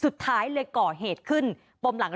เรื่องนี้เกิดอะไรขึ้นไปเจาะลึกประเด็นร้อนจากรายงานค่ะ